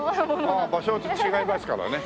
場所が違いますからね。